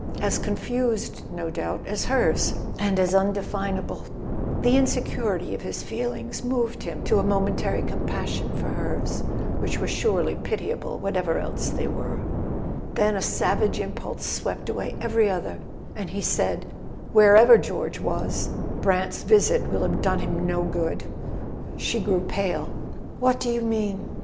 As confused, no doubt, as hers—as undefinable. The insecurity of his feelings moved him to a momentary compassion for hers, which were surely pitiable, what¬ ever else they were. Then a savage impulse swept away every other, and he said: "Wherever George was, Brant's visit will have done him no good." [ 239 ] A SON AT THE FRONT She grew pale. "What do you mean?"